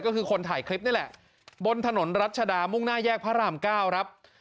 ก็คือคนถ่ายคลิปนี่แหละบนถนนรัชดามุ่งหน้าแยกพระรามเก้าครับ